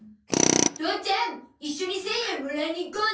父ちゃん一緒に１０００円もらいに行こうね。